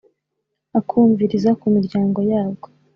akumviriza ku miryango yabwo